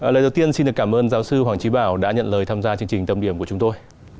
lời đầu tiên xin được cảm ơn giáo sư hoàng trí bảo đã nhận lời tham gia chương trình tâm điểm của chúng tôi